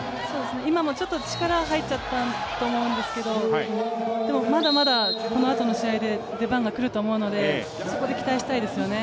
今もちょっと力が入っちゃったと思うんですけれども、まだまだこのあとの試合で出番が来ると思うので、そこで期待したいですよね。